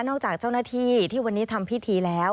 จากเจ้าหน้าที่ที่วันนี้ทำพิธีแล้ว